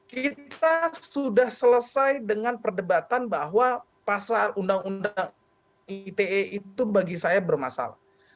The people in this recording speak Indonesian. kita sudah selesai dengan perdebatan bahwa pasal undang undang ite itu bagi saya bermasalah